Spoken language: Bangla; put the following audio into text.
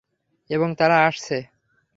এবং তারা আসছে।